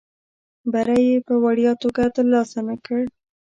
بری یې په وړیا توګه ترلاسه نه کړ.